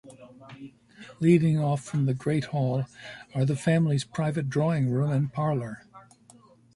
Leading off from the Great Hall are the family's private Drawing Room and Parlour.